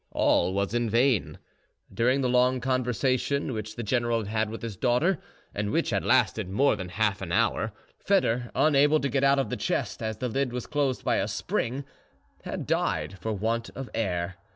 All was in vain. During the long conversation which the general had had with his daughter, and which had lasted more than half an hour, Foedor, unable to get out of the chest, as the lid was closed by a spring, had died for want of air.